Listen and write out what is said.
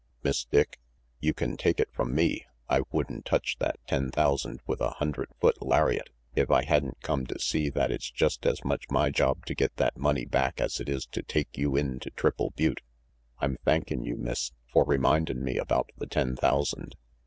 Miss Dick, you can take it from me, I would'n touch that ten thousand with a hundred foot lariat if I had'n come to see that it's just as much my job to get that money back as it is to take you in to Triple Butte. I'm thankin' you, Miss, for remindin' me about the ten thousand.